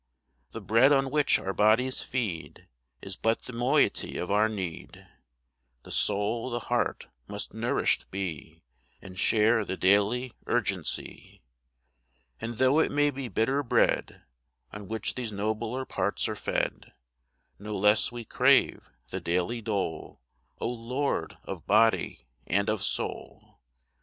The bread on which our bodies feed Is but the moiety of our need. The soul, the heart, must nourished be, And share the daily urgency. And though it may be bitter bread On which these nobler parts are fed, No less we crave the daily dole, O Lord, of body and of soul